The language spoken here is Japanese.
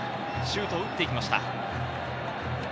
シュートを打っていきました。